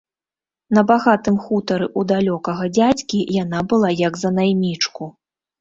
На багатым хутары ў далёкага дзядзькі яна была як за наймічку.